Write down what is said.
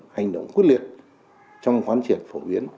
hành động quyết liệt trong khoán triển phổ biến